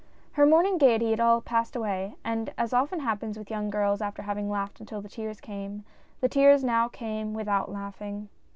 Her morning gayety had all passed away, and as often happens with young girls after having laughed until the tears came — the tears now came without laughing.